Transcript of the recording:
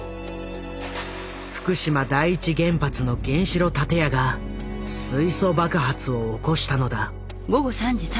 福島第一原発の原子炉建屋が水素爆発を起こしたのだ。